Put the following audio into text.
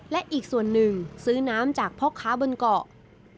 และอีกส่วนหนึ่งซื้อน้ำจากพ่อค้าบนเกาะ